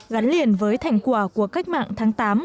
gắn liền với thành quả của cách mạng tháng tám